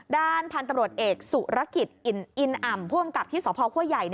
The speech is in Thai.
ด้านพันธุ์ตำรวจเอกสุรกิจอินอ่ำผู้อำกับที่สพคั่วใหญ่